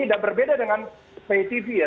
dan berbeda dengan pay tv ya